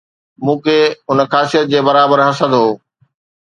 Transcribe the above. مون کي هن خاصيت جي برابر حسد هو